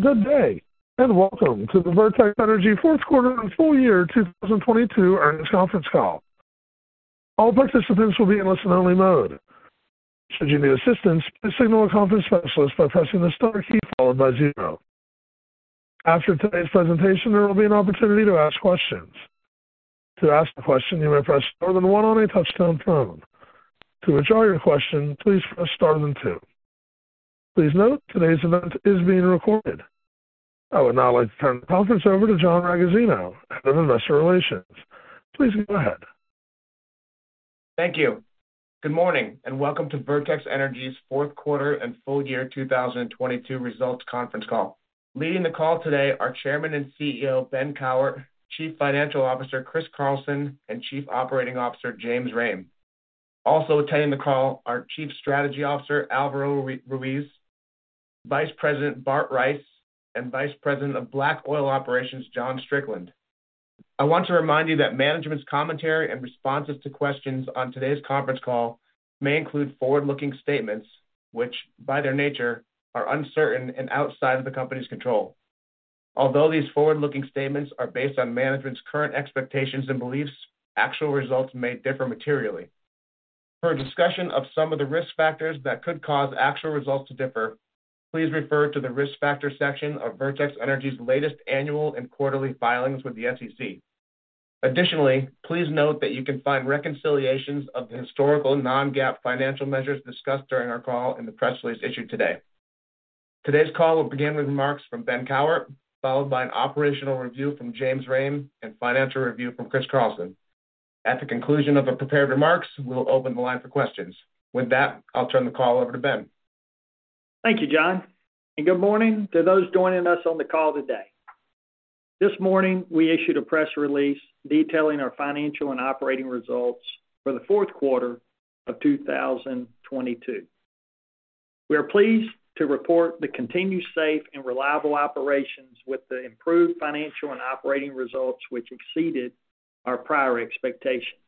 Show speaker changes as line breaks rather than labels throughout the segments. Good day. Welcome to the Vertex Energy fourth quarter and full year 2022 earnings conference call. All participants will be in listen-only mode. Should you need assistance, please signal a conference specialist by pressing the star key followed by zero. After today's presentation, there will be an opportunity to ask questions. To ask a question, you may press star then one on a touchtone phone. To withdraw your question, please press star then two. Please note, today's event is being recorded. I would now like to turn the conference over to John Ragozzino, Head of Investor Relations. Please go ahead.
Thank you. Good morning, welcome to Vertex Energy's fourth quarter and full year 2022 results conference call. Leading the call today are Chairman and CEO, Ben Cowart, Chief Financial Officer, Chris Carlson, and Chief Operating Officer, James Rhame. Also attending the call are Chief Strategy Officer, Alvaro Ruiz, Vice President, Bart Rice, and Vice President of Black Oil Operations, John Strickland. I want to remind you that management's commentary and responses to questions on today's conference call may include forward-looking statements, which, by their nature, are uncertain and outside of the company's control. Although these forward-looking statements are based on management's current expectations and beliefs, actual results may differ materially. For a discussion of some of the risk factors that could cause actual results to differ, please refer to the Risk Factors section of Vertex Energy's latest annual and quarterly filings with the SEC. Please note that you can find reconciliations of the historical non-GAAP financial measures discussed during our call in the press release issued today. Today's call will begin with remarks from Ben Cowart, followed by an operational review from James Rhame, and financial review from Chris Carlson. At the conclusion of the prepared remarks, we will open the line for questions. I'll turn the call over to Ben.
Thank you, John, and good morning to those joining us on the call today. This morning, we issued a press release detailing our financial and operating results for the fourth quarter of 2022. We are pleased to report the continued safe and reliable operations with the improved financial and operating results which exceeded our prior expectations.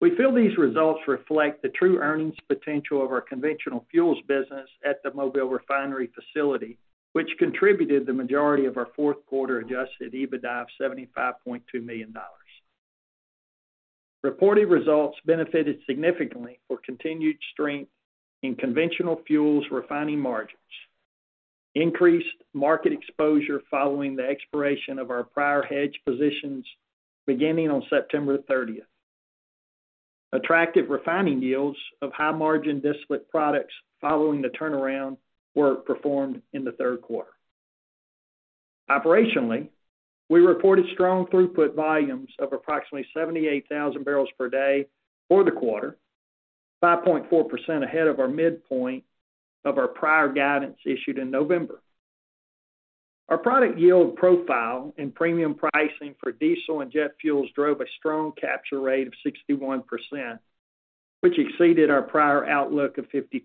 We feel these results reflect the true earnings potential of our conventional fuels business at the Mobile refinery facility, which contributed the majority of our fourth quarter adjusted EBITDA of $75.2 million. Reported results benefited significantly for continued strength in conventional fuels refining margins, increased market exposure following the expiration of our prior hedge positions beginning on September 30. Attractive refining yields of high-margin distillate products following the turnaround were performed in the third quarter. Operationally, we reported strong throughput volumes of approximately 78,000 bbl per day for the quarter, 5.4% ahead of our midpoint of our prior guidance issued in November. Our product yield profile and premium pricing for diesel and jet fuels drove a strong capture rate of 61%, which exceeded our prior outlook of 52%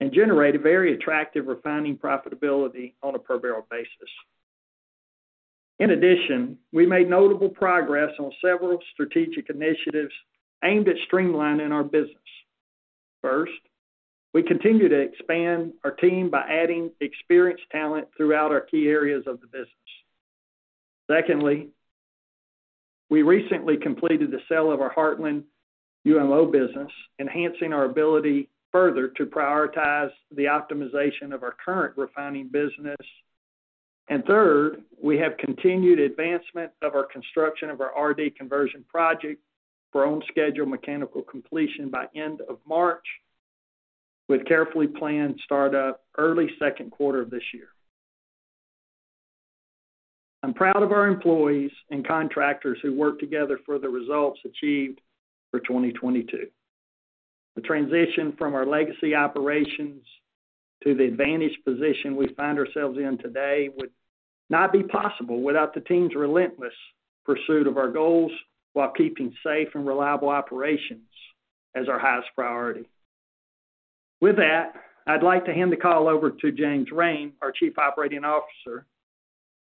and generated very attractive refining profitability on a per-barrel basis. We made notable progress on several strategic initiatives aimed at streamlining our business. First, we continue to expand our team by adding experienced talent throughout our key areas of the business. Secondly, we recently completed the sale of our Heartland UMO business, enhancing our ability further to prioritize the optimization of our current refining business. Third, we have continued advancement of our construction of our RD conversion project for own schedule mechanical completion by end of March, with carefully planned start of early second quarter of this year. I'm proud of our employees and contractors who worked together for the results achieved for 2022. The transition from our legacy operations to the advantaged position we find ourselves in today would not be possible without the team's relentless pursuit of our goals while keeping safe and reliable operations as our highest priority. With that, I'd like to hand the call over to James Rhame, our Chief Operating Officer,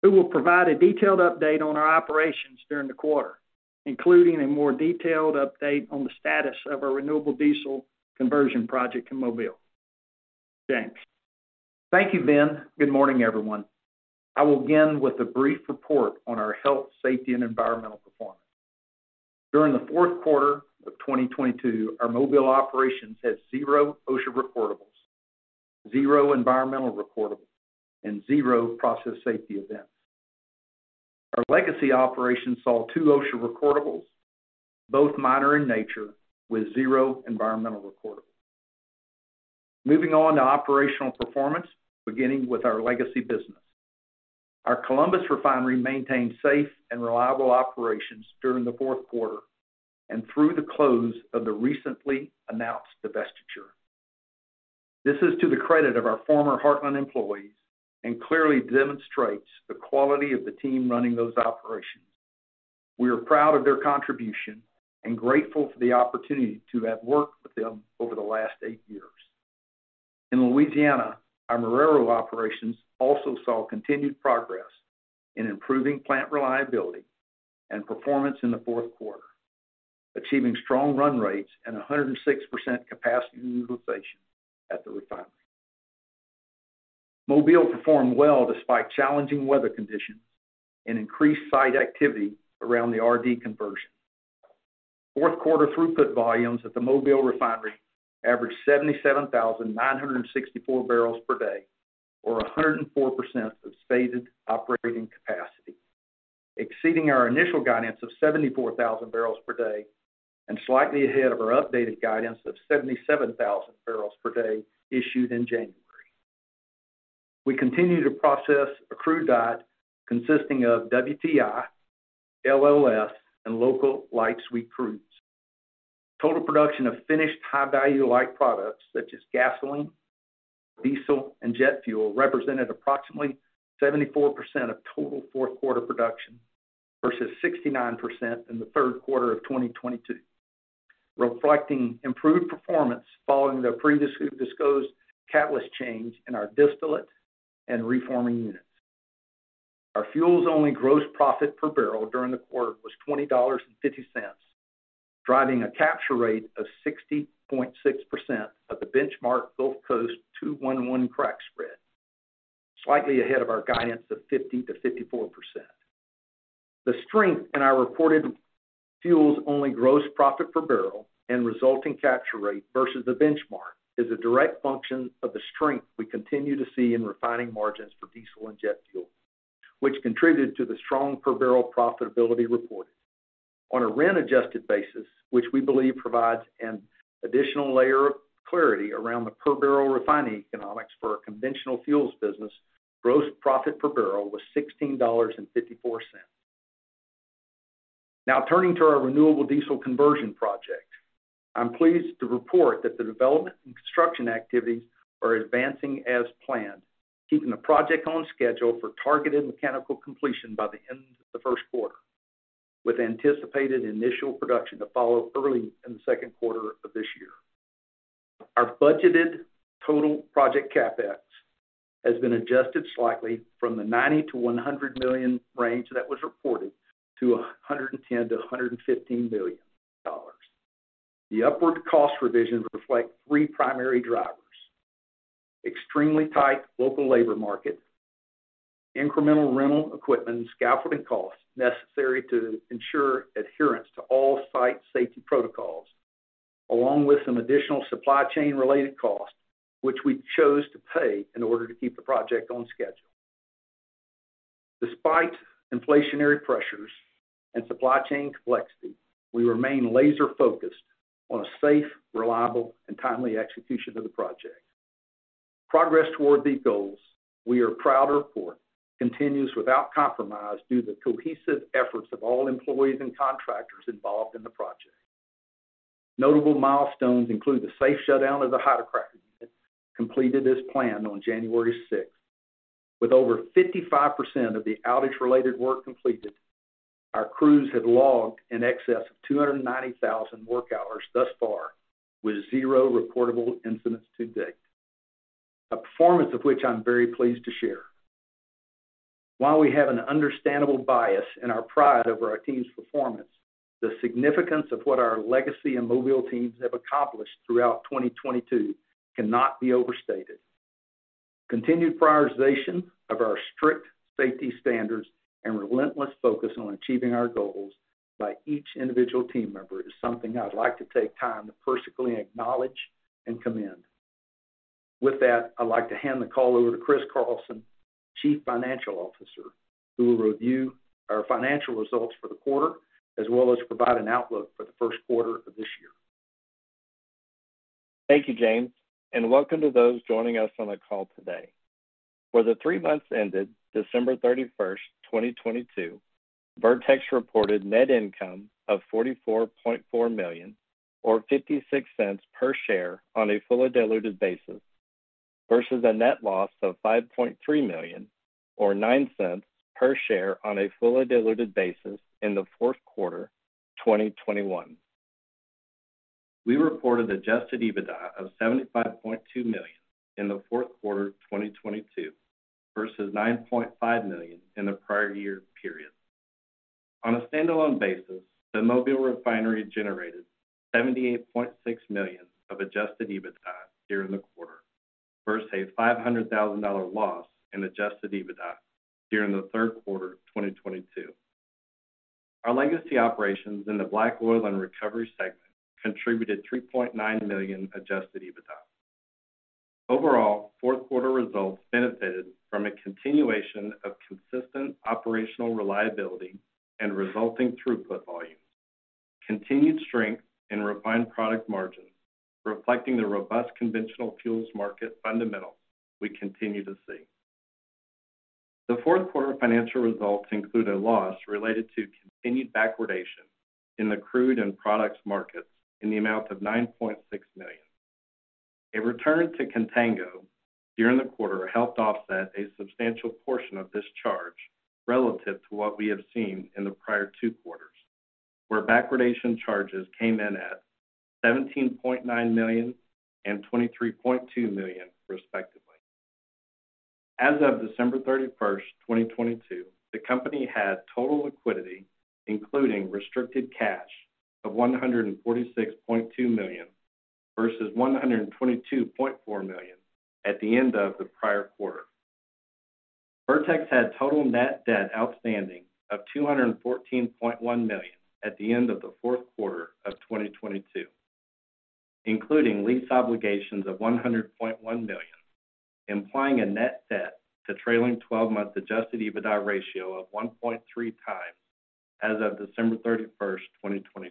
who will provide a detailed update on our operations during the quarter, including a more detailed update on the status of our renewable diesel conversion project in Mobile. James.
Thank you, Ben. Good morning, everyone. I will begin with a brief report on our health, safety, and environmental performance. During the fourth quarter of 2022, our Mobile operations had zero OSHA recordables, zero environmental recordable, and zero process safety events. Our legacy operations saw two OSHA recordables, both minor in nature, with zero environmental recordable. Moving on to operational performance, beginning with our legacy business. Our Columbus refinery maintained safe and reliable operations during the fourth quarter and through the close of the recently announced divestiture. This is to the credit of our former Heartland employees and clearly demonstrates the quality of the team running those operations. We are proud of their contribution and grateful for the opportunity to have worked with them over the last eight years. In Louisiana, our Marrero operations also saw continued progress in improving plant reliability and performance in the fourth quarter. Achieving strong run rates and 106% capacity utilization at the refinery. Mobile performed well despite challenging weather conditions and increased site activity around the RD conversion. Fourth quarter throughput volumes at the Mobile refinery averaged 77,964 bbl per day, or 104% of stated operating capacity, exceeding our initial guidance of 74,000 bbl per day and slightly ahead of our updated guidance of 77,000 bbl per day issued in January. We continue to process a crude diet consisting of WTI, LLS, and local light sweet crudes. Total production of finished high-value light products such as gasoline, diesel, and jet fuel represented approximately 74% of total fourth-quarter production versus 69% in the third quarter of 2022, reflecting improved performance following the previously disclosed catalyst change in our distillate and reforming units. Our fuels-only gross profit per barrel during the quarter was $20.50, driving a capture rate of 60.6% of the benchmark Gulf Coast 2-1-1 crack spread, slightly ahead of our guidance of 50%-54%. The strength in our reported fuels-only gross profit per barrel and resulting capture rate versus the benchmark is a direct function of the strength we continue to see in refining margins for diesel and jet fuel, which contributed to the strong per-barrel profitability reported. On a RIN-adjusted basis, which we believe provides an additional layer of clarity around the per-barrel refining economics for our conventional fuels business, gross profit per barrel was $16.54. Now turning to our renewable diesel conversion project. I'm pleased to report that the development and construction activities are advancing as planned, keeping the project on schedule for targeted mechanical completion by the end of the first quarter, with anticipated initial production to follow early in the second quarter of this year. Our budgeted total project CapEx has been adjusted slightly from the $90 million-$100 million range that was reported to $110 million-$115 million. The upward cost revisions reflect three primary drivers: extremely tight local labor market, incremental rental equipment, and scaffolding costs necessary to ensure adherence to all site safety protocols, along with some additional supply chain-related costs, which we chose to pay in order to keep the project on schedule. Despite inflationary pressures and supply chain complexity, we remain laser-focused on a safe, reliable, and timely execution of the project. Progress toward these goals we are proud to report continues without compromise due to the cohesive efforts of all employees and contractors involved in the project. Notable milestones include the safe shutdown of the hydrocracker unit, completed as planned on January 6. With over 55% of the outage-related work completed, our crews have logged in excess of 290,000 work hours thus far, with zero reportable incidents to date. A performance of which I'm very pleased to share. While we have an understandable bias in our pride over our team's performance, the significance of what our legacy and mobile teams have accomplished throughout 2022 cannot be overstated. Continued prioritization of our strict safety standards and relentless focus on achieving our goals by each individual team member is something I'd like to take time to personally acknowledge and commend. With that, I'd like to hand the call over to Chris Carlson, Chief Financial Officer, who will review our financial results for the quarter as well as provide an outlook for the first quarter of this year.
Thank you, James, and welcome to those joining us on the call today. For the three months ended December 31st, 2022, Vertex reported net income of $44.4 million or $0.56 per share on a fully diluted basis versus a net loss of $5.3 million or $0.09 per share on a fully diluted basis in the fourth quarter 2021. We reported adjusted EBITDA of $75.2 million in the fourth quarter of 2022 versus $9.5 million in the prior year period. On a standalone basis, the Mobile refinery generated $78.6 million of adjusted EBITDA during the quarter versus a $500,000 loss in adjusted EBITDA during the third quarter of 2022. Our legacy operations in the Black Oil and Recovery segment contributed $3.9 million adjusted EBITDA. Overall, fourth quarter results benefited from a continuation of consistent operational reliability and resulting throughput volumes, continued strength in refined product margins, reflecting the robust conventional fuels market fundamentals we continue to see. The fourth quarter financial results include a loss related to continued backwardation in the crude and products markets in the amount of $9.6 million. A return to Contango during the quarter helped offset a substantial portion of this charge relative to what we have seen in the prior two quarters, where backwardation charges came in at $17.9 million and $23.2 million, respectively. As of December 31st, 2022, the company had total liquidity, including restricted cash of $146.2 million versus $122.4 million at the end of the prior quarter. Vertex had total net debt outstanding of $214.1 million at the end of the fourth quarter of 2022, including lease obligations of $100.1 million, implying a net debt to trailing 12-month adjusted EBITDA ratio of 1.3x as of December 31st, 2022.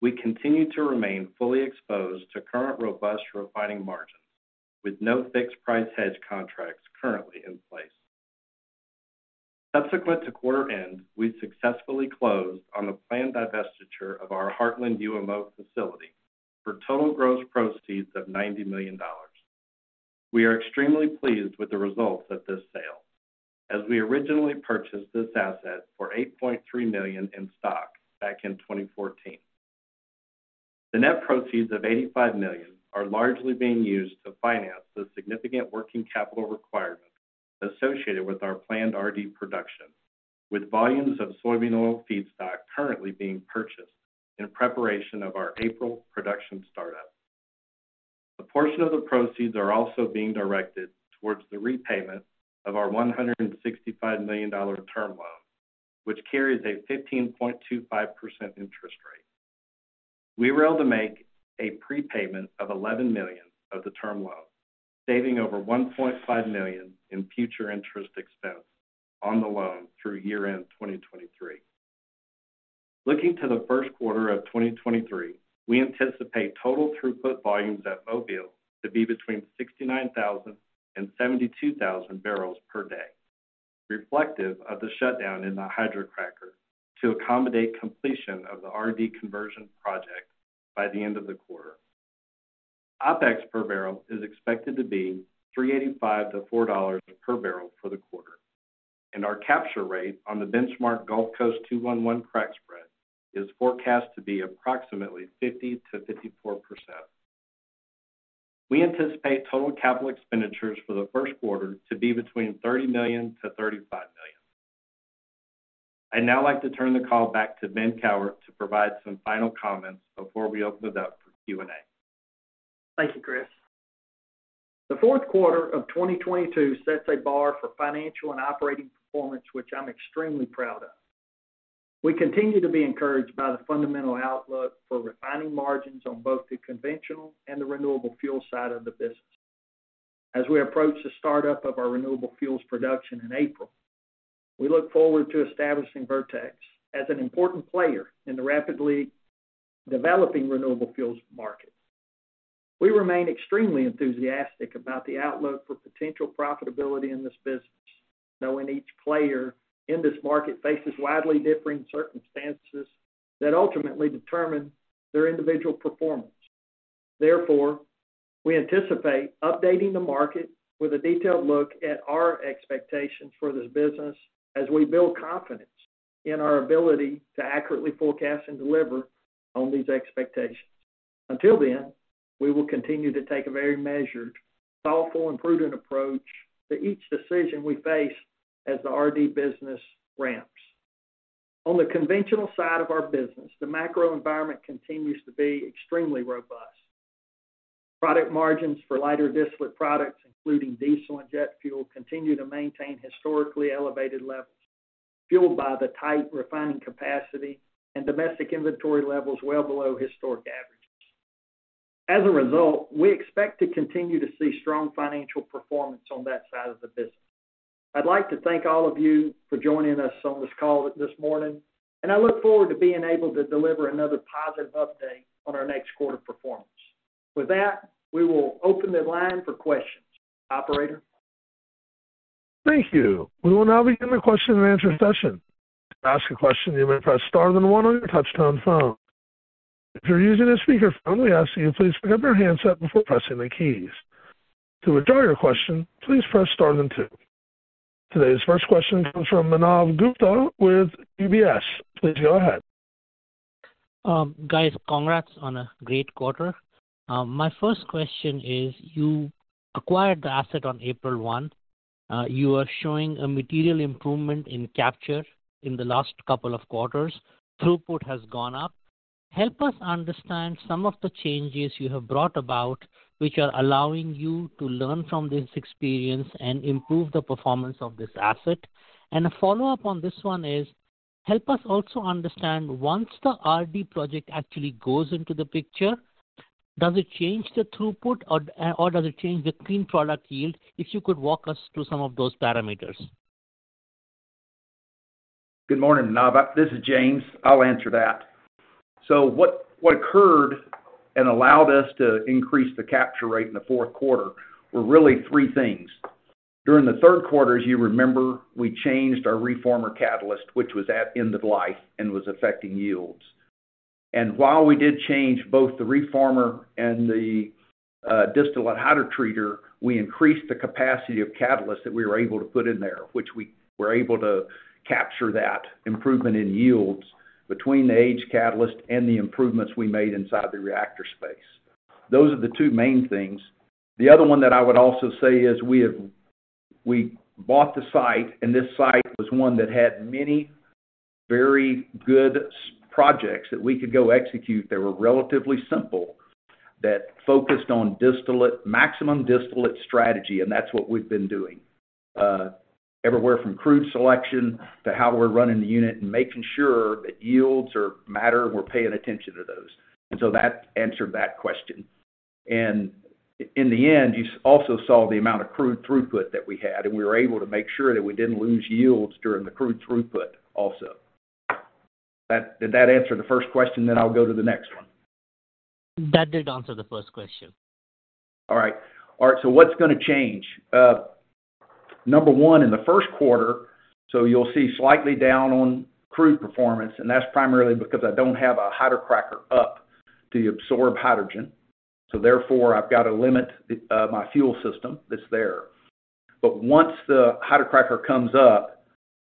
We continue to remain fully exposed to current robust refining margins, with no fixed price hedge contracts currently in place. Subsequent to quarter end, we successfully closed on the planned divestiture of our Heartland UMO facility for total gross proceeds of $90 million. We are extremely pleased with the results of this sale as we originally purchased this asset for $8.3 million in stock back in 2014. The net proceeds of $85 million are largely being used to finance the significant working capital requirement associated with our planned RD production, with volumes of soybean oil feedstock currently being purchased in preparation of our April production startup. A portion of the proceeds are also being directed towards the repayment of our $165 million term loan, which carries a 15.25% interest rate. We were able to make a prepayment of $11 million of the term loan, saving over $1.5 million in future interest expense on the loan through year-end 2023. Looking to the first quarter of 2023, we anticipate total throughput volumes at Mobile to be between 69,000 bbl and 72,000 bbl per day, reflective of the shutdown in the hydrocracker to accommodate completion of the RD conversion project by the end of the quarter. OpEx per barrel is expected to be $3.85-$4 per barrel for the quarter. Our capture rate on the benchmark Gulf Coast 2-1-1 crack spread is forecast to be approximately 50%-54%. We anticipate total capital expenditures for the first quarter to be between $30 million-$35 million. I'd now like to turn the call back to Ben Cowart to provide some final comments before we open it up for Q&A.
Thank you, Chris. The fourth quarter of 2022 sets a bar for financial and operating performance which I'm extremely proud of. We continue to be encouraged by the fundamental outlook for refining margins on both the conventional and the renewable fuel side of the business. As we approach the startup of our renewable fuels production in April, we look forward to establishing Vertex as an important player in the rapidly developing renewable fuels market. We remain extremely enthusiastic about the outlook for potential profitability in this business, knowing each player in this market faces widely differing circumstances that ultimately determine their individual performance. Therefore, we anticipate updating the market with a detailed look at our expectations for this business as we build confidence in our ability to accurately forecast and deliver on these expectations. Until then, we will continue to take a very measured, thoughtful, and prudent approach to each decision we face as the RD business ramps. On the conventional side of our business, the macro environment continues to be extremely robust. Product margins for lighter distillate products, including diesel and jet fuel, continue to maintain historically elevated levels, fueled by the tight refining capacity and domestic inventory levels well below historic averages. As a result, we expect to continue to see strong financial performance on that side of the business. I'd like to thank all of you for joining us on this call this morning, and I look forward to being able to deliver another positive update on our next quarter performance. With that, we will open the line for questions. Operator?
Thank you. We will now begin the question and answer session. To ask a question, you may press star then one on your touchtone phone. If you're using a speakerphone, we ask that you please pick up your handset before pressing the keys. To withdraw your question, please press star then two. Today's first question comes from Manav Gupta with UBS. Please go ahead.
Guys, congrats on a great quarter. My first question is, you acquired the asset on April 1. You are showing a material improvement in capture in the last couple of quarters. Throughput has gone up. Help us understand some of the changes you have brought about which are allowing you to learn from this experience and improve the performance of this asset. A follow-up on this one is, help us also understand once the RD project actually goes into the picture, does it change the throughput or does it change the clean product yield? If you could walk us through some of those parameters.
Good morning, Manav. This is James. I'll answer that. What occurred and allowed us to increase the capture rate in the fourth quarter were really three things. During the third quarter, as you remember, we changed our reformer catalyst, which was at end of life and was affecting yields. While we did change both the reformer and the distillate hydrotreater, we increased the capacity of catalysts that we were able to put in there, which we were able to capture that improvement in yields between the aged catalyst and the improvements we made inside the reactor space. Those are the two main things. The other one that I would also say is we bought the site, and this site was one that had many Very good projects that we could go execute that were relatively simple, that focused on distillate, maximum distillate strategy, and that's what we've been doing. Everywhere from crude selection to how we're running the unit and making sure that yields or matter, we're paying attention to those. That answered that question. In the end, you also saw the amount of crude throughput that we had, and we were able to make sure that we didn't lose yields during the crude throughput also. Did that answer the first question then I'll go to the next one?
That did answer the first question.
All right. All right, what's gonna change? Number one, in the first quarter, you'll see slightly down on crude performance, and that's primarily because I don't have a hydrocracker up to absorb hydrogen. Therefore, I've got to limit my fuel system that's there. Once the hydrocracker comes up,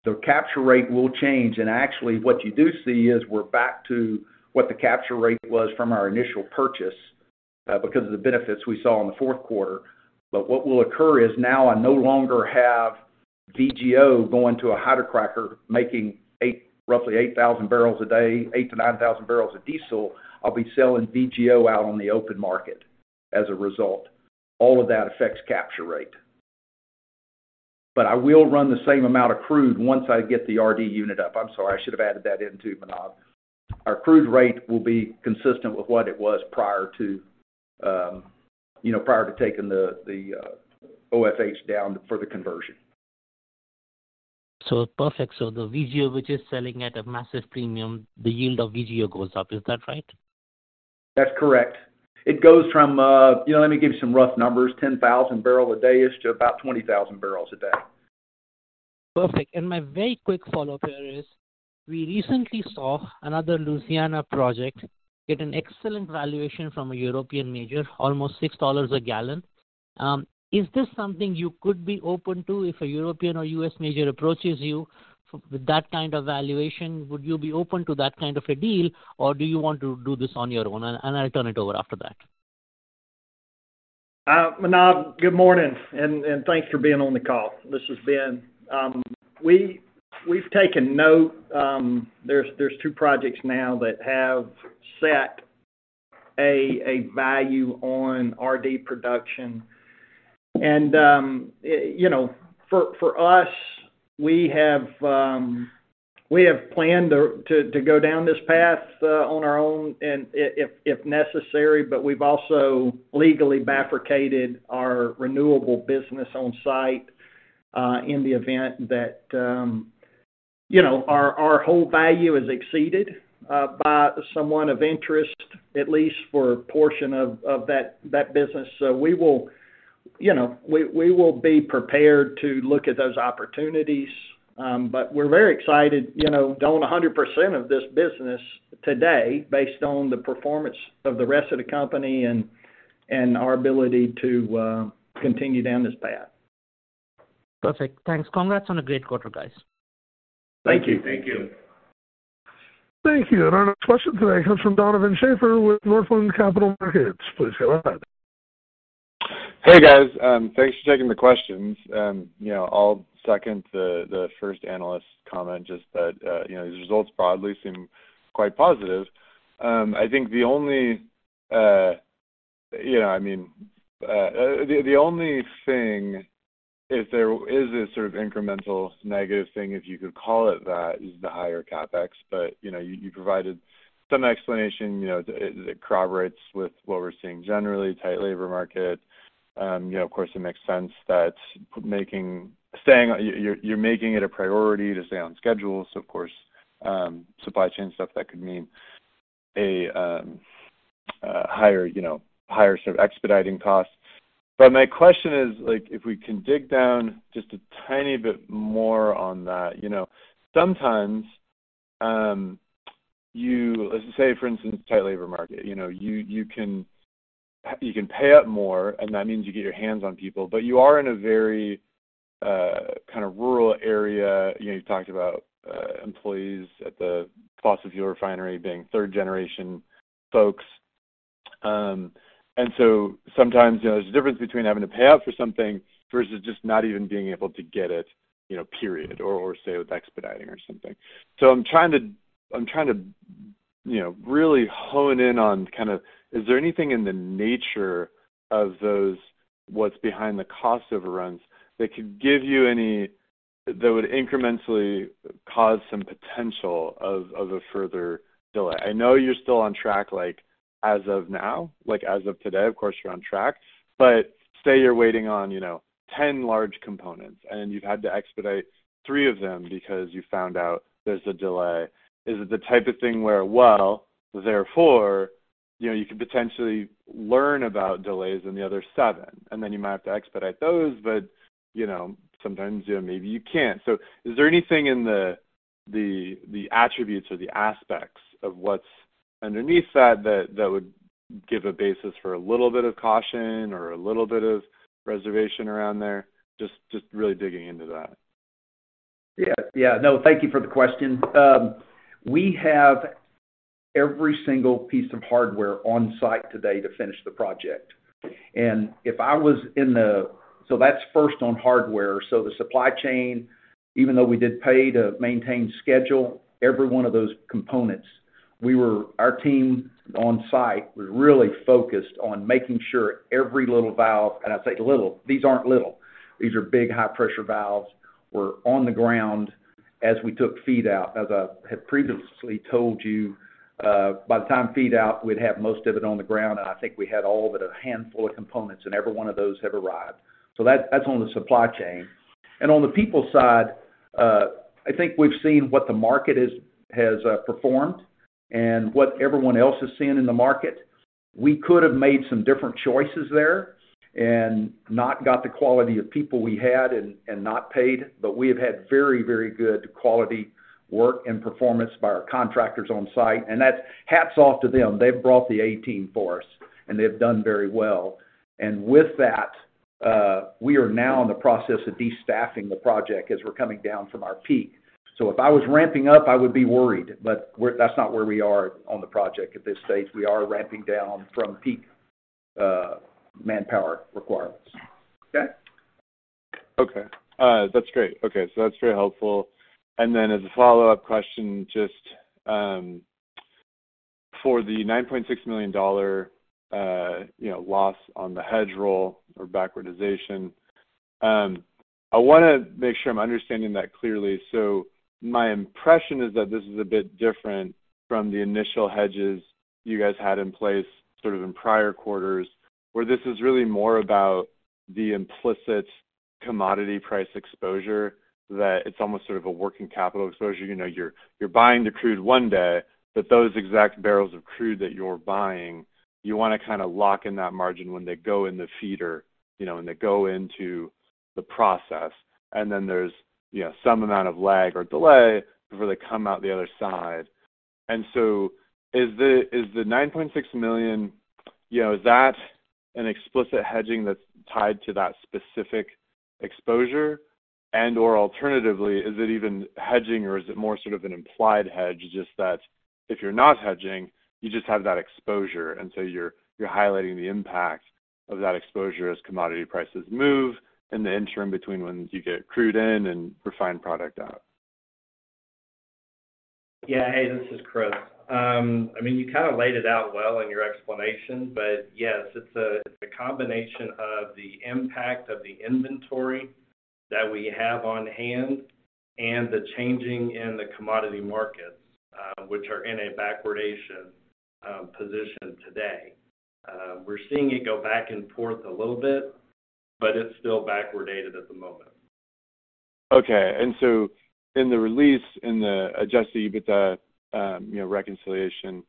the capture rate will change and actually what you do see is we're back to what the capture rate was from our initial purchase, because of the benefits we saw in the fourth quarter. What will occur is now I no longer have VGO going to a hydrocracker, making roughly 8,000 bbl a day, 8,000-9,000 bbl of diesel. I'll be selling VGO out on the open market as a result. All of that affects capture rate. I will run the same amount of crude once I get the RD unit up. I'm sorry, I should have added that in too, Manav. Our crude rate will be consistent with what it was prior to, you know, prior to taking the OFAs down for the conversion.
Perfect. The VGO, which is selling at a massive premium, the yield of VGO goes up. Is that right?
That's correct. It goes from, you know, let me give you some rough numbers 10,000 bbl a day-ish to about 20,000 bbl a day.
Perfect. My very quick follow-up here is, we recently saw another Louisiana project get an excellent valuation from a European major, almost $6 a gal. Is this something you could be open to if a European or U.S. major approaches you with that kind of valuation? Would you be open to that kind of a deal, or do you want to do this on your own? I'll turn it over after that.
Manav, good morning, and thanks for being on the call. This is Ben. We've taken note, there's two projects now that have set a value on RD production. You know, for us, we have planned to go down this path on our own and if necessary, but we've also legally bifurcated our renewable business on site, in the event that, you know, our whole value is exceeded by someone of interest, at least for a portion of that business. We will, you know, we will be prepared to look at those opportunities. We're very excited, you know, to own 100% of this business today based on the performance of the rest of the company and our ability to continue down this path.
Perfect. Thanks. Congrats on a great quarter, guys.
Thank you.
Thank you.
Thank you. Our next question today comes from Donovan Schafer with Northland Capital Markets. Please go ahead.
Hey, guys. Thanks for taking the questions. You know, I'll second the first analyst comment, just that, you know, the results broadly seem quite positive. I think the only, you know what I mean? the only thing is there is this sort of incremental negative thing, if you could call it that, is the higher CapEx. You know, you provided some explanation, you know, it corroborates with what we're seeing generally, tight labor market. You know, of course it makes sense that you're making it a priority to stay on schedule. Of course, supply chain stuff, that could mean a higher, you know, higher sort of expediting costs. My question is, like, if we can dig down just a tiny bit more on that. You know, sometimes, Let's just say for instance, tight labor market. You know, you can pay up more, and that means you get your hands on people, but you are in a very, kind of rural area. You know, you talked about, employees at the Fossil fuel refinery being third generation folks. Sometimes, you know, there's a difference between having to pay up for something versus just not even being able to get it, you know, period, or say with expediting or something. I'm trying to, you know, really hone in on kind of, is there anything in the nature of those, what's behind the cost overruns that could give you that would incrementally cause some potential of a further delay? I know you're still on track, like, as of now, like, as of today, of course, you're on track. Say you're waiting on, you know, 10 large components and you've had to expedite three of them because you found out there's a delay. Is it the type of thing where, well, therefore, you know, you could potentially learn about delays in the other seven? Then you might have to expedite those, but, you know, sometimes, you know, maybe you can't. Is there anything in the attributes or the aspects of what's underneath that would give a basis for a little bit of caution or a little bit of reservation around there? Just really digging into that.
Yeah. Yeah. No, thank you for the question. We have every single piece of hardware on site today to finish the project. That's first on hardware. The supply chain, even though we did pay to maintain schedule, every one of those components, our team on site was really focused on making sure every little valve, and I say little, these aren't little, these are big high pressure valves, were on the ground as we took feed out. As I have previously told you, by the time feed out, we'd have most of it on the ground, and I think we had all but a handful of components, and every one of those have arrived. That's on the supply chain. On the people side, I think we've seen what the market has performed and what everyone else is seeing in the market. We could have made some different choices there and not got the quality of people we had and not paid, but we have had very, very good quality work and performance by our contractors on site. That's hats off to them. They've brought the A-team for us, and they've done very well. With that, we are now in the process of destaffing the project as we're coming down from our peak. If I was ramping up, I would be worried, but that's not where we are on the project at this stage. We are ramping down from peak manpower requirements. Okay?
Okay. That's great. Okay. That's very helpful. As a follow-up question, just, for the $9.6 million, you know, loss on the hedge roll or backwardation, I wanna make sure I'm understanding that clearly. My impression is that this is a bit different from the initial hedges you guys had in place sort of in prior quarters, where this is really more about the implicit commodity price exposure, that it's almost sort of a working capital exposure. You know, you're buying the crude one day, but those exact barrels of crude that you're buying, you wanna kinda lock in that margin when they go in the feeder, you know, when they go into the process. Then there's, you know, some amount of lag or delay before they come out the other side. Is the $9.6 million, you know, is that an explicit hedging that's tied to that specific exposure? Or alternatively, is it even hedging or is it more sort of an implied hedge, just that if you're not hedging, you just have that exposure? You're highlighting the impact of that exposure as commodity prices move in the interim between when you get crude in and refined product out.
Yeah. Hey, this is Chris. I mean, you kind of laid it out well in your explanation. Yes, it's a combination of the impact of the inventory that we have on hand and the changing in the commodity markets, which are in a backwardation position today. We're seeing it go back and forth a little bit, but it's still backwardated at the moment.
Okay. In the release, in the adjusted EBITDA, you know, reconciliation,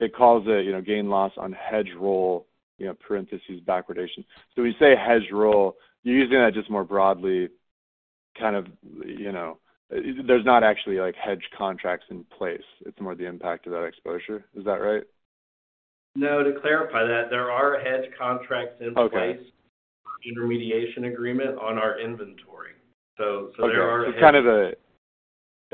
it calls it, you know, gain loss on hedge roll, you know, parentheses backwardation. When you say hedge roll, you're using that just more broadly, kind of, you know. There's not actually, like, hedge contracts in place. It's more the impact of that exposure. Is that right?
No, to clarify that, there are hedge contracts in place.
Okay...
intermediation agreement on our inventory.
Okay.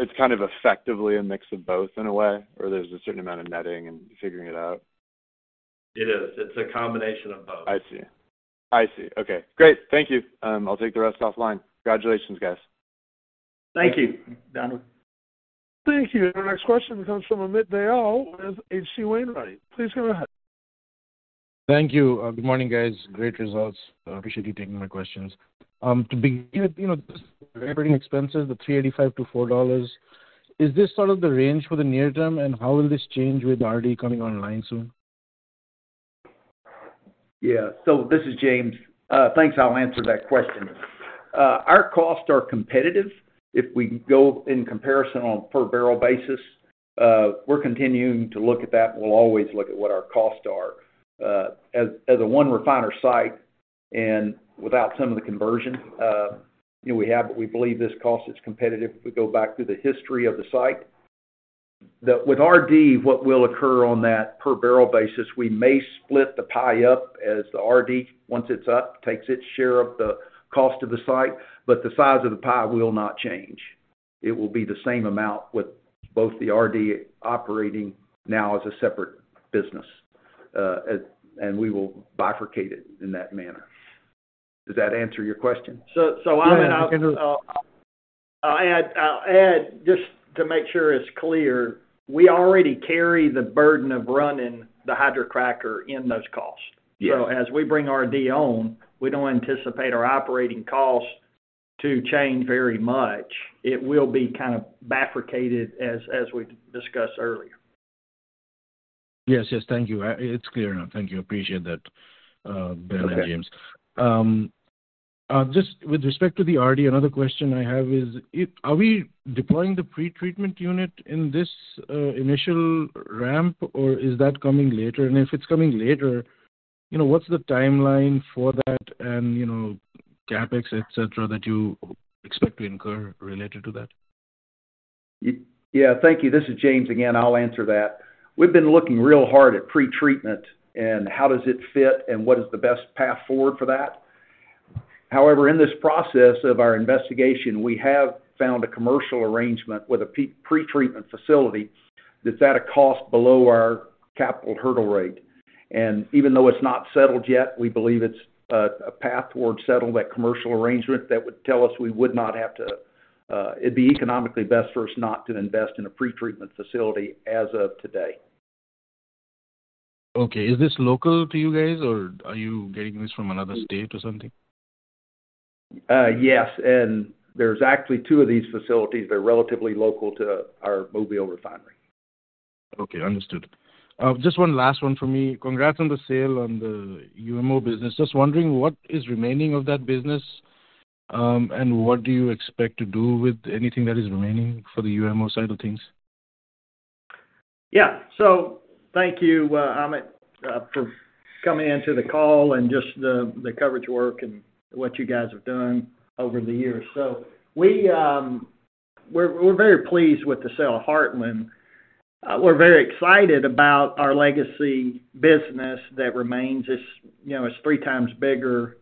It's kind of effectively a mix of both in a way, or there's a certain amount of netting and figuring it out?
It is. It's a combination of both.
I see. I see. Okay, great. Thank you. I'll take the rest offline. Congratulations, guys.
Thank you.
Donovan.
Thank you. Our next question comes from Amit Dayal with H.C. Wainwright. Please go ahead.
Thank you. Good morning, guys. Great results. I appreciate you taking my questions. To begin, you know, just operating expenses, the $3.85-$4, is this sort of the range for the near term, and how will this change with RD coming online soon?
This is James. Thanks. I'll answer that question. Our costs are competitive if we go in comparison on per barrel basis. We're continuing to look at that, and we'll always look at what our costs are. As a one refiner site and without some of the conversion, you know, we have what we believe this cost is competitive if we go back through the history of the site. With RD, what will occur on that per barrel basis, we may split the pie up as the RD, once it's up, takes its share of the cost of the site, but the size of the pie will not change. It will be the same amount with both the RD operating now as a separate business. We will bifurcate it in that manner. Does that answer your question?
I'm.
Yeah.
I'll add just to make sure it's clear, we already carry the burden of running the hydrocracker in those costs.
Yeah.
As we bring RD on, we don't anticipate our operating costs to change very much. It will be kind of bifurcated as we discussed earlier.
Yes, yes. Thank you. It's clear now. Thank you. Appreciate that, Ben and James. Just with respect to the RD, another question I have is, are we deploying the pretreatment unit in this initial ramp, or is that coming later? If it's coming later, you know, what's the timeline for that and, you know, CapEx, et cetera, that you expect to incur related to that?
Yeah. Thank you. This is James again. I'll answer that. We've been looking real hard at pretreatment and how does it fit and what is the best path forward for that. However, in this process of our investigation, we have found a commercial arrangement with a pretreatment facility that's at a cost below our capital hurdle rate. Even though it's not settled yet, we believe it's a path towards settle that commercial arrangement that would tell us we would not have to. It'd be economically best for us not to invest in a pretreatment facility as of today.
Okay. Is this local to you guys, or are you getting this from another state or something?
Yes, there's actually two of these facilities. They're relatively local to our Mobile refinery.
Okay. Understood. Just one last one for me. Congrats on the sale on the UMO business. Just wondering what is remaining of that business, and what do you expect to do with anything that is remaining for the UMO side of things?
Yeah. Thank you, Amit Dayal, for coming into the call and just the coverage work and what you guys have done over the years. We're very pleased with the sale of Heartland. We're very excited about our legacy business that remains. It's, you know, it's three times bigger,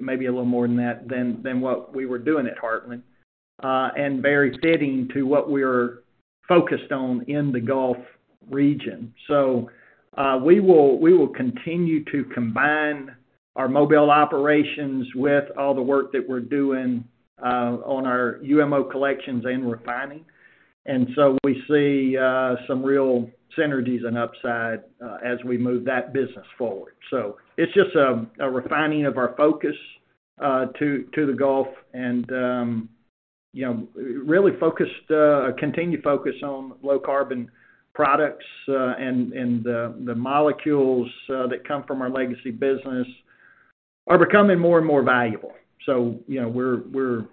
maybe a little more than that, than what we were doing at Heartland, and very fitting to what we're focused on in the Gulf region. We will continue to combine our Mobile operations with all the work that we're doing on our UMO collections and refining. We see some real synergies and upside as we move that business forward. It's just a refining of our focus to the Gulf and, you know, really focused a continued focus on low carbon products, and the molecules that come from our legacy business are becoming more and more valuable. You know, we're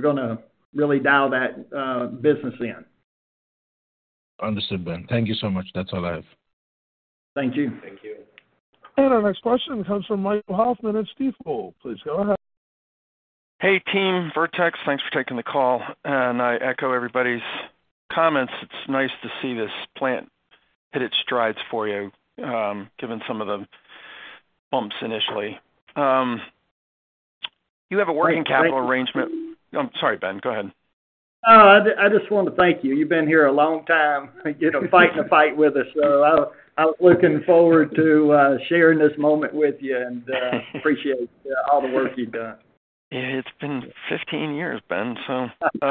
gonna really dial that business in.
Understood, Ben. Thank you so much. That's all I have.
Thank you.
Thank you.
Our next question comes from Michael Hoffman at Stifel. Please go ahead.
Hey, team Vertex. Thanks for taking the call. I echo everybody's comments. It's nice to see this plant hit its strides for you, given some of the bumps initially. You have a working capital arrangement. I'm sorry, Ben, go ahead.
I just want to thank you. You've been here a long time, you know, fighting the fight with us. I was looking forward to sharing this moment with you and appreciate all the work you've done.
Yeah. It's been 15 years, Ben, so.
Hey,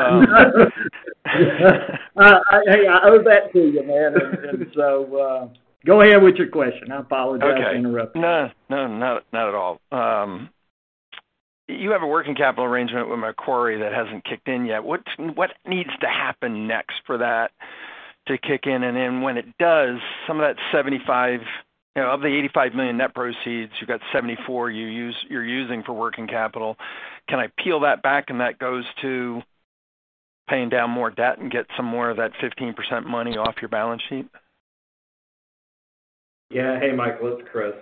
I owe that to you, man. Go ahead with your question. I apologize for interrupting.
Okay. No, no, not at all. You have a working capital arrangement with Macquarie that hasn't kicked in yet. What needs to happen next for that to kick in? When it does, you know, of the $85 million net proceeds, you've got $74 million you're using for working capital. Can I peel that back and that goes to paying down more debt and get some more of that 15% money off your balance sheet?
Yeah. Hey, Michael, it's Chris.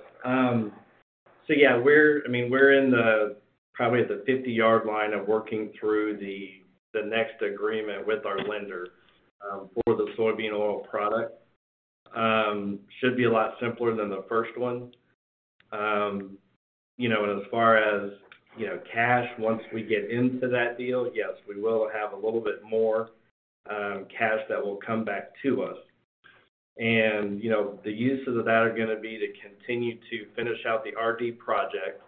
Yeah, I mean, we're in the probably at the 50-yard line of working through the next agreement with our lender for the soybean oil product. Should be a lot simpler than the first one. You know, as far as, you know, cash, once we get into that deal, yes, we will have a little bit more cash that will come back to us. You know, the uses of that are gonna be to continue to finish out the RD project,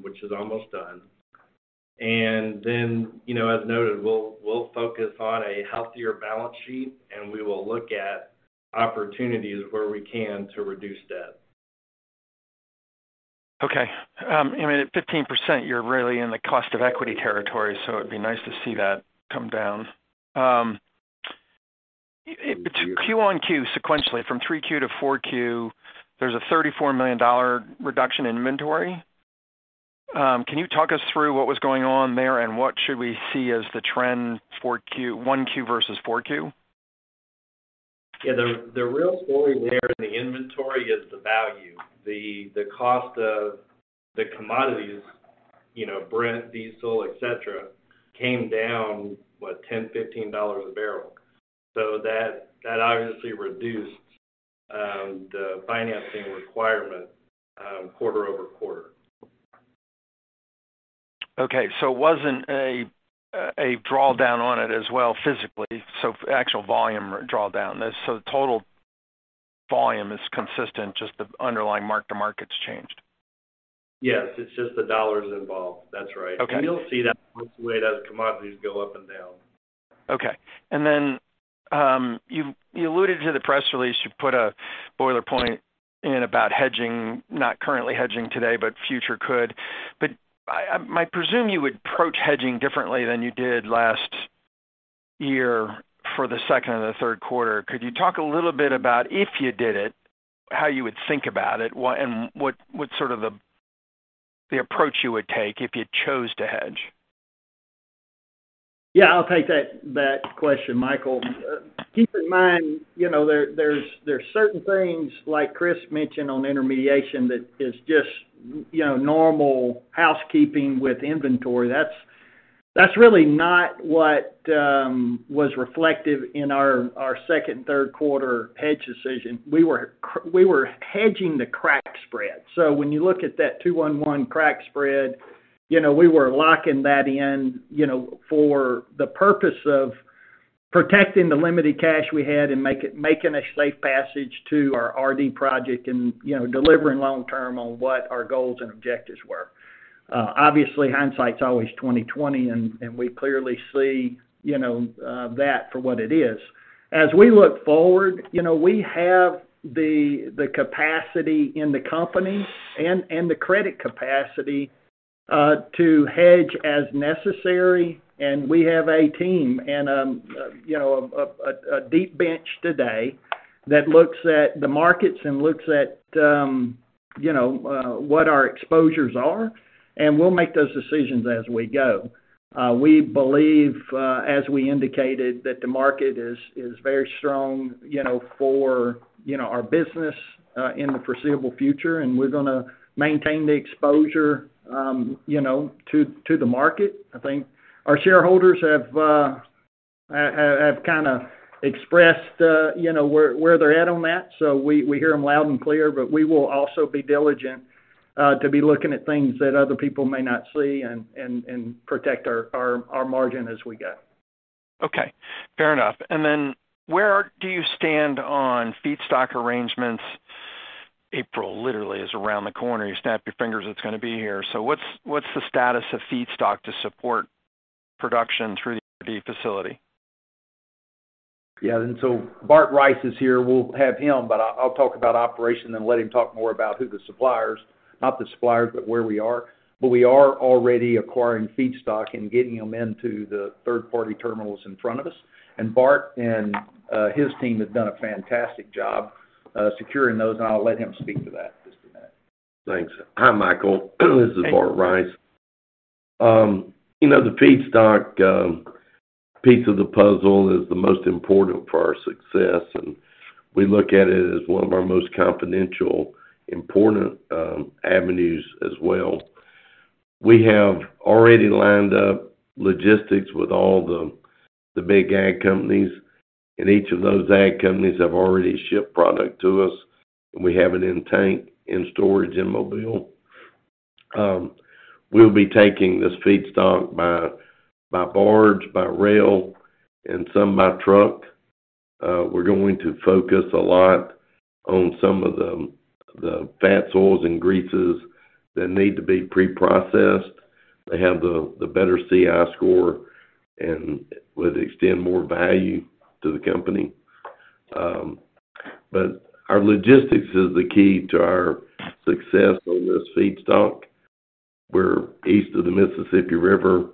which is almost done. You know, as noted, we'll focus on a healthier balance sheet, and we will look at opportunities where we can to reduce debt.
Okay. I mean, at 15%, you're really in the cost of equity territory, so it'd be nice to see that come down. Q-on-Q, sequentially, from 3Q to 4Q, there's a $34 million reduction in inventory. Can you talk us through what was going on there and what should we see as the trend for 1Q versus 4Q?
Yeah. The real story there in the inventory is the value. The cost of the commodities, you know, Brent, diesel, etc., came down, what? $10-$15 a barrel. That obviously reduced the financing requirement quarter-over-quarter.
Okay. It wasn't a drawdown on it as well physically. Actual volume drawdown. Total volume is consistent, just the underlying mark-to-market's changed.
Yes. It's just the dollars involved. That's right.
Okay.
You'll see that fluctuate as commodities go up and down.
Okay. Then, you alluded to the press release. You put a boiler point in about hedging, not currently hedging today, but future could. I presume you would approach hedging differently than you did last year for the second and the third quarter. Could you talk a little bit about if you did it, how you would think about it? What and what's sort of the approach you would take if you chose to hedge?
Yeah. I'll take that question, Michael. Keep in mind, you know, there's certain things like Chris mentioned on intermediation that is just, you know, normal housekeeping with inventory. That's really not what was reflective in our second and third quarter hedge decision. We were hedging the crack spread. When you look at that 2-1-1 crack spread, you know, we were locking that in, you know, for the purpose of protecting the limited cash we had and making a safe passage to our RD project and, you know, delivering long term on what our goals and objectives were. Obviously, hindsight's always 20/20, and we clearly see, you know, that for what it is. As we look forward, you know, we have the capacity in the company and the credit capacity, to hedge as necessary. We have a team and, you know, a deep bench today that looks at the markets and looks at, you know, what our exposures are, and we'll make those decisions as we go. We believe, as we indicated, that the market is very strong, you know, for, you know, our business, in the foreseeable future, and we're gonna maintain the exposure, you know, to the market. I think our shareholders have, kind of expressed, you know, where they're at on that, so we hear them loud and clear. We will also be diligent, to be looking at things that other people may not see and protect our margin as we go.
Okay. Fair enough. Where do you stand on feedstock arrangements? April literally is around the corner. You snap your fingers, it's gonna be here. What's the status of feedstock to support production through the facility?
Yeah. Bart Rice is here. We'll have him, but I'll talk about operation and let him talk more about who the suppliers. Not the suppliers, but where we are. We are already acquiring feedstock and getting them into the third-party terminals in front of us. Bart and his team have done a fantastic job securing those, and I'll let him speak to that in just a minute.
Thanks. Hi, Michael Hoffman. This is Bart Rice. You know, the feedstock piece of the puzzle is the most important for our success. We look at it as one of our most confidential, important avenues as well. We have already lined up logistics with all the big ag companies. Each of those ag companies have already shipped product to us. We have it in tank, in storage in Mobile. We'll be taking this feedstock by boards, by rail. Some by truck. We're going to focus a lot on some of the fats, oils and greases that need to be preprocessed. They have the better CI score. Would extend more value to the company. Our logistics is the key to our success on this feedstock. We're east of the Mississippi River.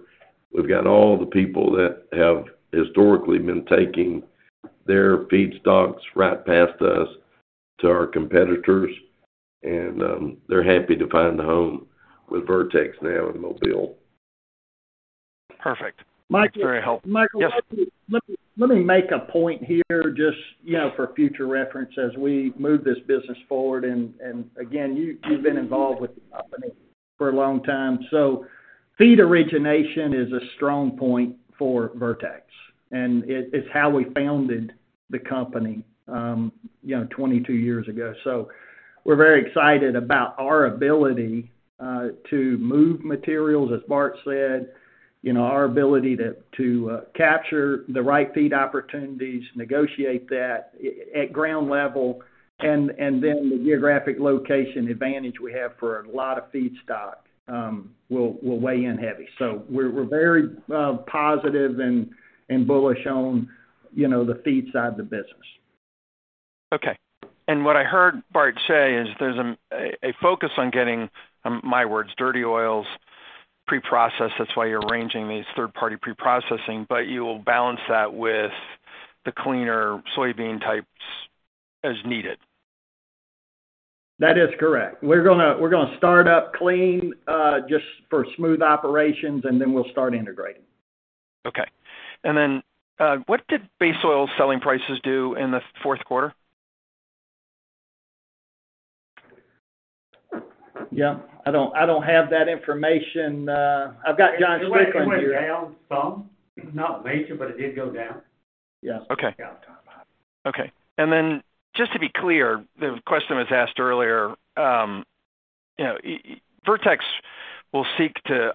We've got all the people that have historically been taking their feedstocks right past us to our competitors, and, they're happy to find a home with Vertex now in Mobile.
Perfect. That's very helpful.
Michael. Michael.
Yes.
Let me make a point here just, you know, for future reference as we move this business forward. Again, you've been involved with the company for a long time. Feed origination is a strong point for Vertex, and it's how we founded the company, you know, 22 years ago. We're very excited about our ability to move materials, as Bart said, you know, our ability to capture the right feed opportunities, negotiate that at ground level, and then the geographic location advantage we have for a lot of feedstock, will weigh in heavy. We're very, positive and bullish on, you know, the feed side of the business.
Okay. What I heard Bart say is there's a focus on getting, my words, dirty oils preprocessed. That's why you're arranging these third-party preprocessing. You'll balance that with the cleaner soybean types as needed.
That is correct. We're gonna start up clean, just for smooth operations, then we'll start integrating.
Okay. What did base oil selling prices do in the fourth quarter?
Yeah. I don't have that information. I've got John Strickland here.
It went down some. Not major, but it did go down.
Yes.
Okay. Okay. Just to be clear, the question was asked earlier, you know, Vertex will seek to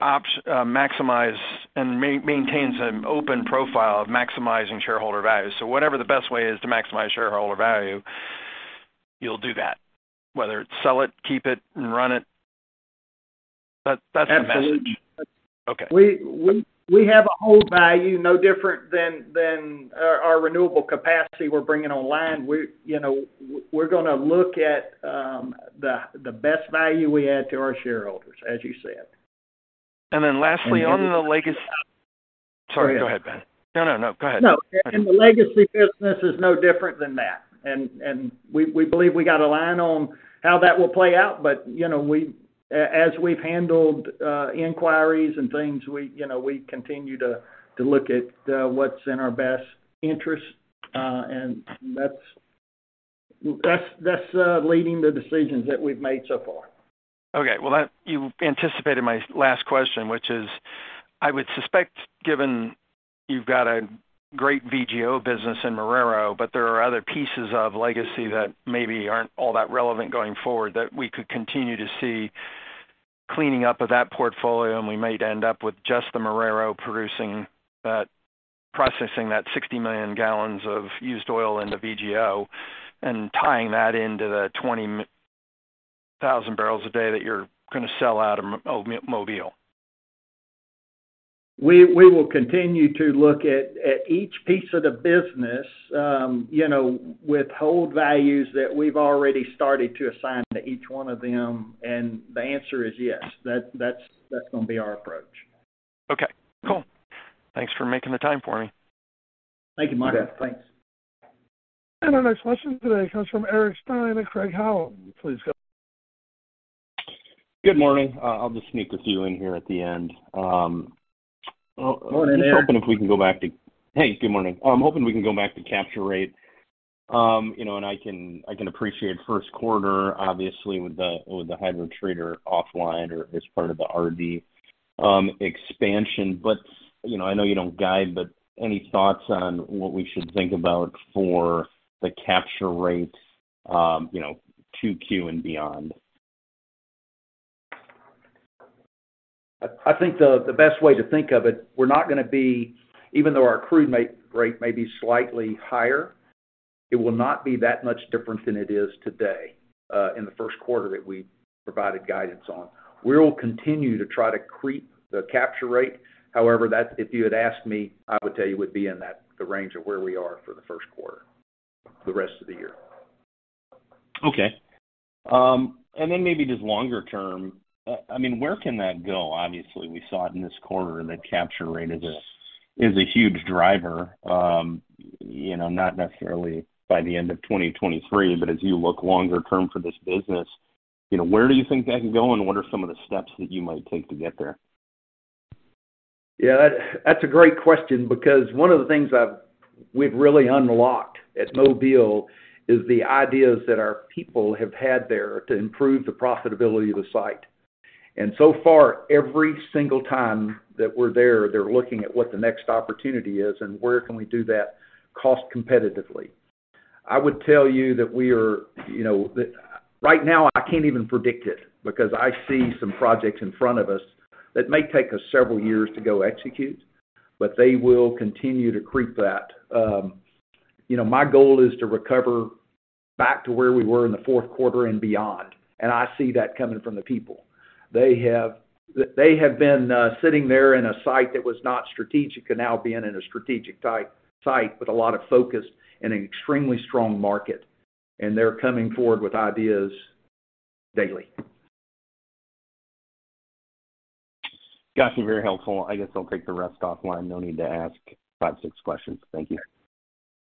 maximize and maintain some open profile of maximizing shareholder value. Whatever the best way is to maximize shareholder value, you'll do that, whether it's sell it, keep it, and run it. That's the message.
Absolutely.
Okay.
We have a whole value, no different than our renewable capacity we're bringing online. We, you know, we're gonna look at the best value we add to our shareholders, as you said.
Lastly, on the legacy-
Go ahead.
Sorry, go ahead, Ben. No, no. Go ahead.
No. The legacy business is no different than that. We believe we got a line on how that will play out, but, you know, as we've handled inquiries and things, we, you know, we continue to look at what's in our best interest. That's, that's leading the decisions that we've made so far.
Okay. Well, that you anticipated my last question, which is, I would suspect, given you've got a great VGO business in Marrero, but there are other pieces of legacy that maybe aren't all that relevant going forward, that we could continue to see cleaning up of that portfolio, and we might end up with just the Marrero producing that processing that 60 million gal of used oil into VGO and tying that into the 20,000 bbl a day that you're gonna sell out of Mobile.
We will continue to look at each piece of the business, you know, with hold values that we've already started to assign to each one of them. The answer is yes. That's gonna be our approach.
Okay, cool. Thanks for making the time for me.
Thank you, Michael.
Thanks.
Our next question today comes from Eric Stine at Craig-Hallum. Please go.
Good morning. I'll just sneak with you in here at the end.
Morning, Eric.
Hey, good morning. I'm hoping we can go back to capture rate. You know, I can appreciate first quarter, obviously with the hydrocracker offline or as part of the RD expansion. You know, I know you don't guide, but any thoughts on what we should think about for the capture rate, you know, 2Q and beyond?
I think the best way to think of it, we're not gonna be even though our crude rate may be slightly higher, it will not be that much different than it is today in the first quarter that we provided guidance on. We'll continue to try to creep the capture rate. However, if you had asked me, I would tell you it would be in the range of where we are for the first quarter for the rest of the year.
Okay. maybe just longer term, I mean, where can that go? Obviously, we saw it in this quarter, the capture rate is a, is a huge driver, you know, not necessarily by the end of 2023, but as you look longer term for this business, you know, where do you think that can go, and what are some of the steps that you might take to get there?
Yeah, that's a great question because one of the things we've really unlocked at Mobile is the ideas that our people have had there to improve the profitability of the site. So far, every single time that we're there, they're looking at what the next opportunity is and where can we do that cost competitively. I would tell you that we are, you know, right now I can't even predict it because I see some projects in front of us that may take us several years to go execute, they will continue to creep that. You know, my goal is to recover back to where we were in the fourth quarter and beyond, I see that coming from the people. They have been sitting there in a site that was not strategic and now being in a strategic site with a lot of focus and an extremely strong market. They're coming forward with ideas daily.
Got you. Very helpful. I guess I'll take the rest offline. No need to ask five, six questions. Thank you.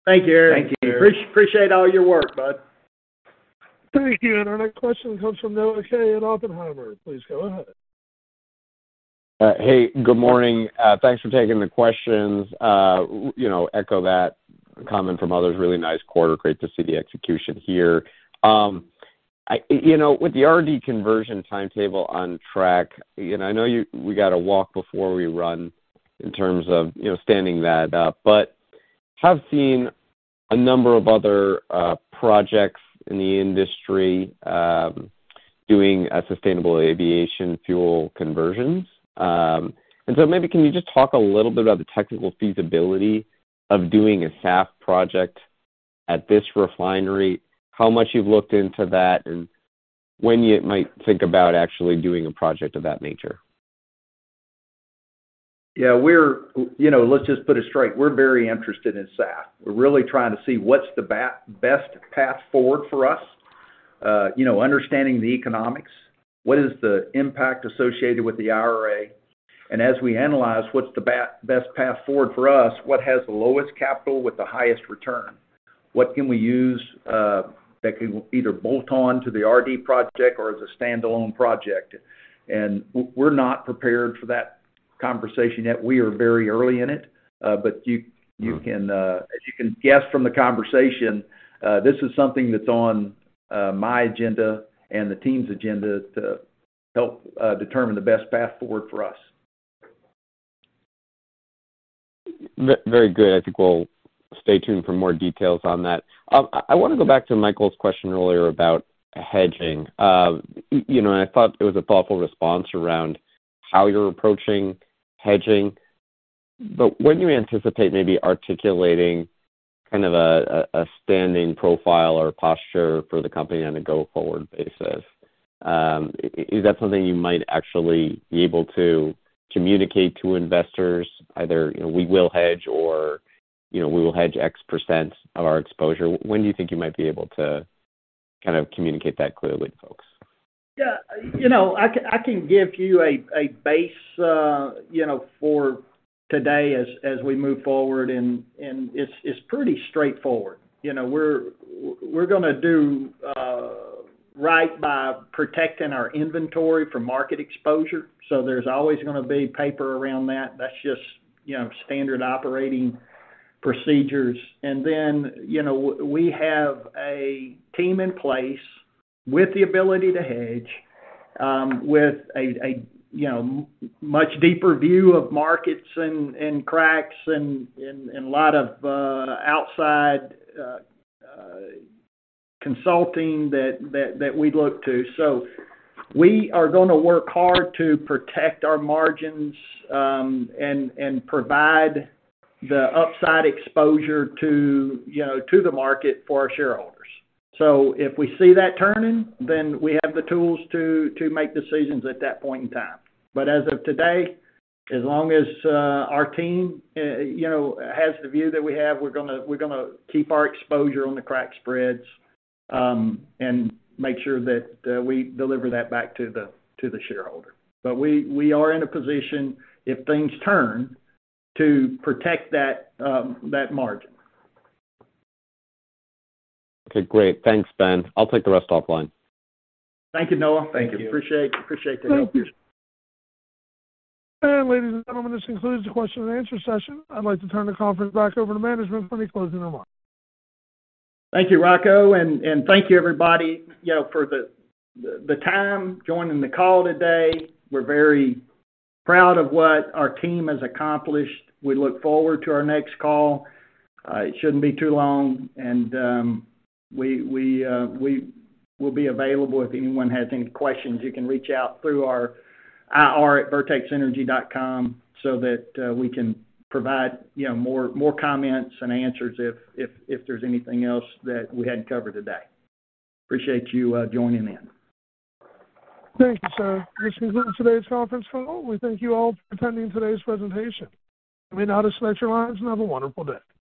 Thank you, Eric.
Thank you.
Appreciate all your work, bud.
Thank you. Our next question comes from Noah Kaye at Oppenheimer. Please go ahead.
Hey, good morning. Thanks for taking the questions. You know, echo that comment from others. Really nice quarter. Great to see the execution here. You know, with the RD conversion timetable on track, you know, I know we gotta walk before we run in terms of, you know, standing that up. Have seen a number of other projects in the industry doing a sustainable aviation fuel conversions. Maybe can you just talk a little bit about the technical feasibility of doing a SAF project at this refinery, how much you've looked into that, and when you might think about actually doing a project of that nature?
Yeah, you know, let's just put it straight. We're very interested in SAF. We're really trying to see what's the best path forward for us, you know, understanding the economics, what is the impact associated with the IRA. As we analyze, what's the best path forward for us, what has the lowest capital with the highest return? What can we use that can either bolt on to the RD project or as a standalone project? We're not prepared for that conversation yet. We are very early in it. You can, as you can guess from the conversation, this is something that's on my agenda and the team's agenda to help determine the best path forward for us.
Very good. I think we'll stay tuned for more details on that. I wanna go back to Michael's question earlier about hedging. You know, I thought it was a thoughtful response around how you're approaching hedging. But when you anticipate maybe articulating kind of a standing profile or posture for the company on a go-forward basis, is that something you might actually be able to communicate to investors? Either, you know, we will hedge or, you know, we will hedge x-percent of our exposure? When do you think you might be able to kind of communicate that clearly to folks?
Yeah, you know, I can give you a base, you know, for today as we move forward and it's pretty straightforward. You know, we're gonna do right by protecting our inventory from market exposure. There's always gonna be paper around that. That's just, you know, standard operating procedures. You know, we have a team in place with the ability to hedge, with a, you know, much deeper view of markets and cracks and a lot of outside consulting that we look to. We are gonna work hard to protect our margins, and provide the upside exposure to, you know, to the market for our shareholders. If we see that turning, then we have the tools to make decisions at that point in time. As of today, as long as, our team, you know, has the view that we have, we're gonna keep our exposure on the crack spreads, and make sure that, we deliver that back to the shareholder. We, we are in a position, if things turn, to protect that margin.
Okay, great. Thanks, Ben. I'll take the rest offline.
Thank you, Noah.
Thank you.
Appreciate the help.
Thank you. Ladies and gentlemen, this concludes the question and answer session. I'd like to turn the conference back over to management for any closing remarks.
Thank you, Rocco, and thank you, everybody, you know, for the time, joining the call today. We're very proud of what our team has accomplished. We look forward to our next call. It shouldn't be too long, and we will be available if anyone has any questions. You can reach out through our ir@vertexenergy.com so that we can provide, you know, more comments and answers if there's anything else that we hadn't covered today. Appreciate you joining in.
Thank you, sir. This concludes today's conference call. We thank you all for attending today's presentation. You may now disconnect your lines and have a wonderful day.